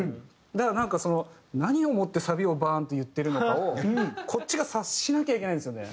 だからなんかその何をもって「サビをバーン！」って言ってるのかをこっちが察しなきゃいけないんですよね。